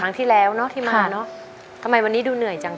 คุณยายแดงคะทำไมต้องซื้อลำโพงและเครื่องเสียง